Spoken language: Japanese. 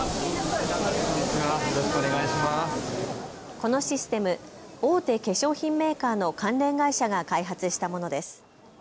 このシステム、大手化粧品メーカーの関連会社が開発したものです。